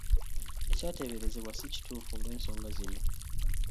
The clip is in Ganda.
Ekyateeberezebwa si kituufu olw'ensonga zino.